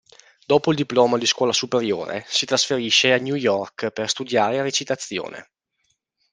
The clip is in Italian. Dopo il diploma di scuola superiore, si trasferisce a New York per studiare recitazione.